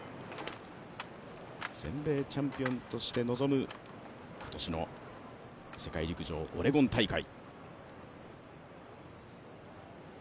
全米チャンピオンとして臨む今年の世界陸上オレゴン大会。